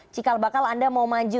cikal bakal anda mau maju